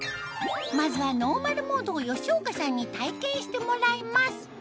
まずはノーマルモードを吉岡さんに体験してもらいます